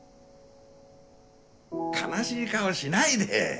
悲しい顔しないで。